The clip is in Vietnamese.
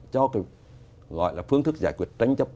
cho cái gọi là phương thức giải quyết tranh chấp